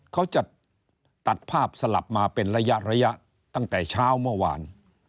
เขาจะตัดภาพสลับมาเป็นระยะระยะตั้งแต่เช้าเมื่อวาน